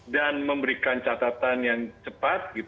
dan memberikan catatan yang cepat